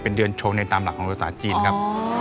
เป็นเดือนชงในตามหลักของภาษาจีนครับ